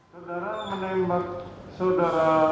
saudara menembak saudara